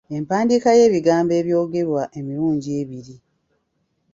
Empandiika y'ebigambo ebyogerwa emirundi ebiri.